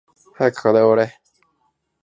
早く課題終われ